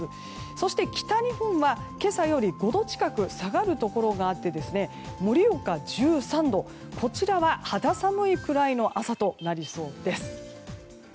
そして、北日本は今朝より５度近く下がるところがあって盛岡１３度こちらは肌寒いくらいの朝となりそうです。